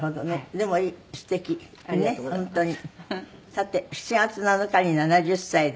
さて７月７日に７０歳で。